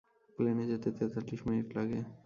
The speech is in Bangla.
প্লেনে যেতে তেতাল্লিশ মিনিট লাগে।